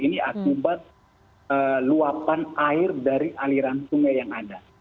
ini akibat luapan air dari aliran sungai yang ada